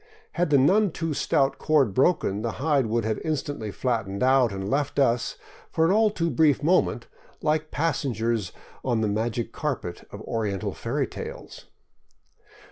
Had the none too stout cord broken, the hide would instantly have flattened out and left us — for an all too brief moment — like passengers on the magic carpet of oriental fairy tales.